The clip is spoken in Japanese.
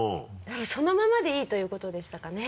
そのままでいいということでしたかね。